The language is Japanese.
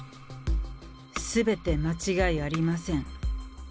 すべて間違いありません。